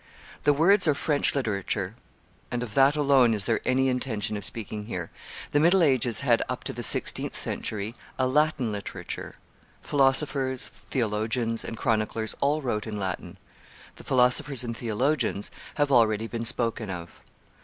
The words are French literature; and of that alone is there any intention of speaking here. The middle ages had, up to the sixteenth century, a Latin literature; philosophers, theologians, and chroniclers all wrote in Latin. The philosophers and theologians have already been spoken of.